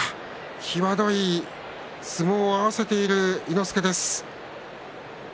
際どい相撲を合わせている伊之助です。